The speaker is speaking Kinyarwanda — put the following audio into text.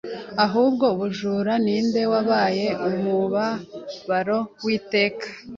Ahubwo ubujura ninde wabaye umubabaro w'iteka